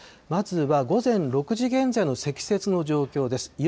まずは午前６時現在の積雪の状況です。